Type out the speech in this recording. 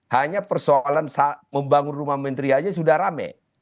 hanya persoalan membangun rumah menteri aja sudah rame